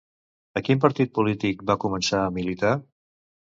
A quin partit polític va començar a militar?